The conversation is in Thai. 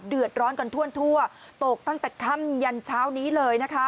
เดือดร้อนกันทั่วตกตั้งแต่ค่ำยันเช้านี้เลยนะคะ